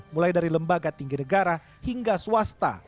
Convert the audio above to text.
mulai dari lembaga tinggi negara hingga swasta